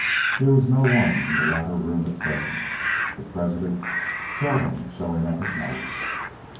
There was no one in the latter room at present, the president seldom showing up at night.